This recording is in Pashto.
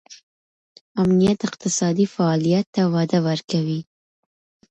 امنیت اقتصادي فعالیت ته وده ورکوي.